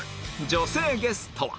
女性ゲストは